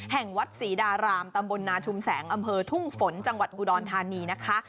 แห่งวัดศรีดารามตำบลนาชุมแสงอำเภอทุ่งฝนจังหวัดอุดรธานีนะคะ